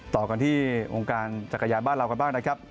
ต่อกันที่องค์การจักรยานบ้านเรากันบ้างนะครับ